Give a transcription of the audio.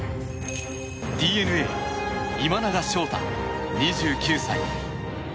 ＤｅＮＡ、今永昇太、２９歳。